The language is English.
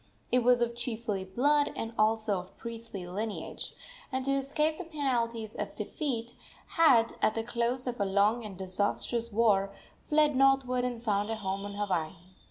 It was of chiefly blood, and also of priestly lineage, and, to escape the penalties of defeat, had, at the close of a long and disastrous war, fled northward and found a home on Hawaii.